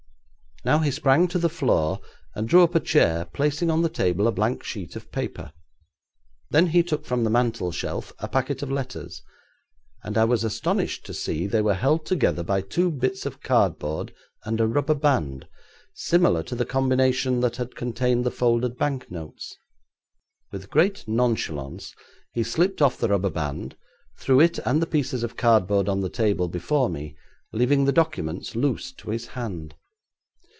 Now he sprang to the floor, and drew up a chair, placing on the table a blank sheet of paper. Then he took from the mantelshelf a packet of letters, and I was astonished to see they were held together by two bits of cardboard and a rubber band similar to the combination that had contained the folded bank notes. With great nonchalance he slipped off the rubber band, threw it and the pieces of cardboard on the table before me, leaving the documents loose to his hand.